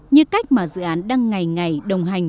như cách mà dự án đang ngày ngày đồng hành